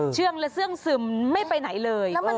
เชื่องและเสื้องซึมไม่ไปไหนเลย